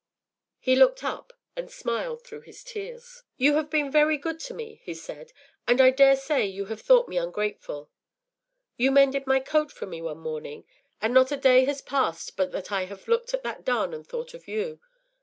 He looked up and smiled through his tears. “You have been very good to me,” he said, “and I dare say you have thought me ungrateful. You mended my coat for me one morning, and not a day has passed but that I have looked at that darn and thought of you.